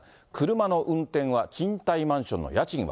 車の運転は、賃貸マンションの家賃は？